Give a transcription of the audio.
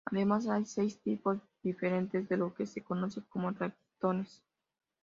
Además, hay seis tipos diferentes de lo que se conoce como leptones.